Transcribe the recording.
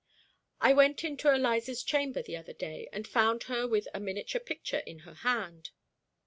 I went into Eliza's chamber the other day, and found her with a miniature picture in her hand.